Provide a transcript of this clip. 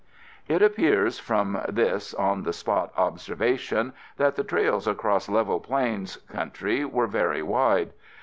It appears from this on the spot observation, that the trails across level plains country were very wide.